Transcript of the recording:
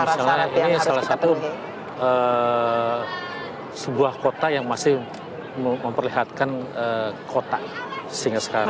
ini salah satu sebuah kota yang masih memperlihatkan kota sehingga sekarang